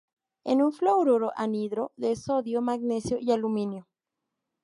Es un fluoruro anhidro de sodio, magnesio y aluminio.